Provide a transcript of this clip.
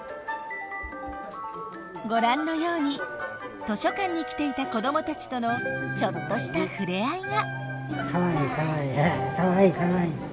ご覧のように図書館に来ていた子どもたちとのちょっとした触れ合いが。